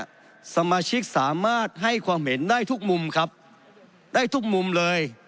สมาชิกสามารถให้ความเห็นได้ทุกมุมครับได้ทุกมุมเลย